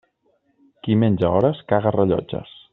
Qui menja hores, caga rellotges.